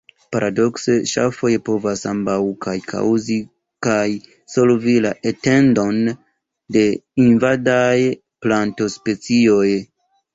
Paradokse, ŝafoj povas ambaŭ kaj kaŭzi kaj solvi la etendon de invadaj plantospecioj.